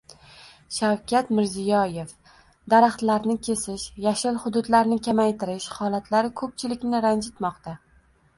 Shavkat Mirziyoyev: “Daraxtlarni kesish, yashil hududlarni kamaytirish holatlari ko‘pchilikni ranjitmoqda”